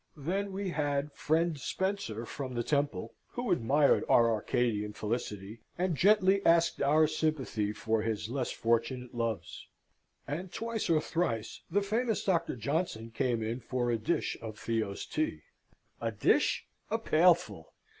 Then we had friend Spencer from the Temple, who admired our Arcadian felicity, and gently asked our sympathy for his less fortunate loves; and twice or thrice the famous Doctor Johnson came in for a dish of Theo's tea. A dish? a pailful!